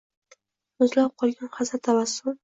muzlab qolgan hazin tabassum